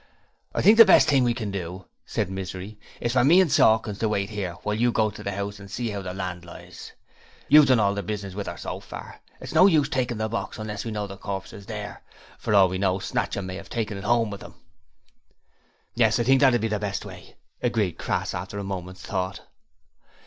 'I think the best thing we can do,' said Misery, 'is for me and Sawkins to wait 'ere while you go to the 'ouse and see 'ow the land lies. You've done all the business with 'er so far. It's no use takin' the box unless we know the corpse is there; for all we know, Snatchum may 'ave taken it 'ome with 'im.' 'Yes; I think that'll be the best way,' agreed Crass, after a moment's thought.